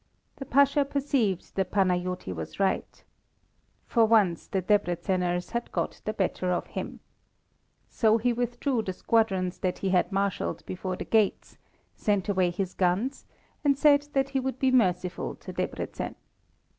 The Pasha perceived that Panajoti was right. For once the Debreczeners had got the better of him. So he withdrew the squadrons that he had marshalled before the gates, sent away his guns, and said that he would be merciful to Debreczen.